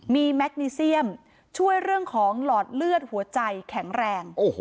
มีแมคนิเซียมช่วยเรื่องของหลอดเลือดหัวใจแข็งแรง